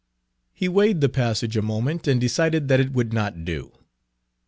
Page 9 He weighed the passage a moment, and decided that it would not do.